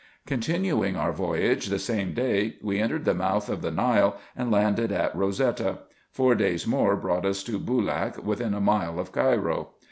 Continuing our voyage the same day, we entered the mouth of the Nile, and landed at Eosetta; four days more brought us to Boolak, within a mile of Cairo.